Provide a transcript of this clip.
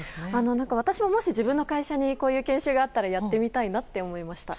私ももし自分の会社にこういう研修があったらやってみたいなって思いました。